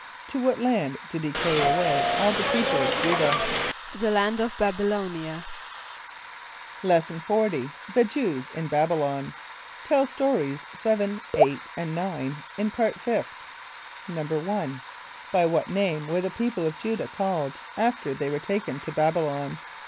= To what land did he carry away all the people of J[=u]´dah? =To the land of B[)a]b [)y] l[=o]´n[)i] a.= Lesson XL. The Jews in Babylon. (Tell Stories 7, 8 and 9 in Part Fifth.) =1.= By what name were the people of J[=u]´dah called, after they were taken to B[)a]b´[)y] lon?